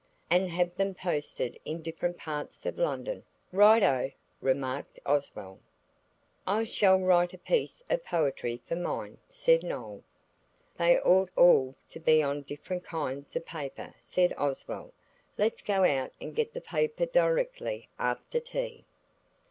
"And have them posted in different parts of London. Right oh!" remarked Oswald. "I shall write a piece of poetry for mine," said Noël. "They ought all to be on different kinds of paper," said Oswald. "Let's go out and get the paper directly after tea."